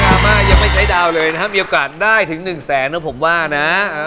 รามายังไม่ใช้ดาวเลยนะครับมีโอกาสได้ถึง๑แสนนะผมว่านะ